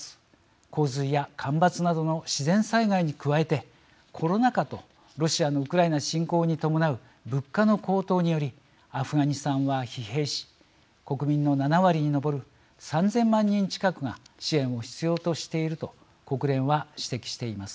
洪水や干ばつなどの自然災害に加えてコロナ禍とロシアのウクライナ侵攻に伴う物価の高騰によりアフガニスタンは疲弊し国民の７割に上る３，０００万人近くが支援を必要としていると国連は指摘しています。